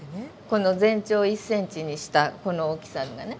この全長１ｃｍにしたこの大きさがね。